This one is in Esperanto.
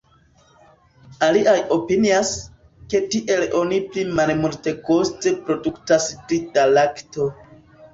Aliaj opinias, ke tiel oni pli malmultekoste produktas pli da lakto.